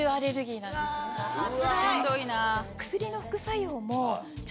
しんどいな。